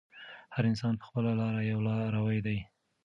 هر انسان په خپله لاره یو لاروی دی.